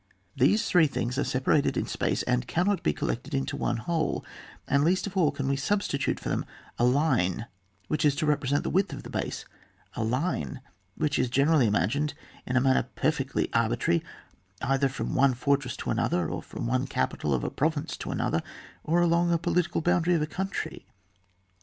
These three things are separated in space, and cannot be collected into one whole, and least of all can we substitute for them a line which is to represent the width of the base, a line which is gene rally imagined in a manner perfectly ar bitrary, either from one fortress to an other or from one capital of a province to another, or along a political boundary of a country.